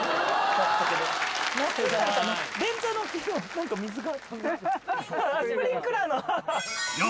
何か水が？